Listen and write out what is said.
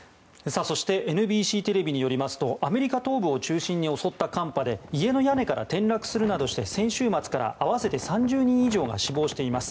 ＮＢＣテレビによりますとアメリカ東部を中心に襲った寒波で家の屋根から転落するなどして先週末から合わせて３０人以上が死亡しています。